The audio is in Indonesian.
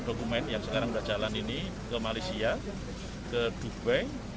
dokumen yang sekarang sudah jalan ini ke malaysia ke dubai